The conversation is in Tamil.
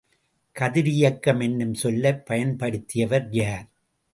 கதிரியக்கம் என்னும் சொல்லைப் பயன்படுத்தியவர் யார்?